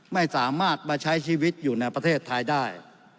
ไม่สามารถมาใช้ชีวิตอยู่ในประเทศไทยได้